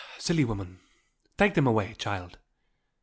"Silly woman. Take them away, child."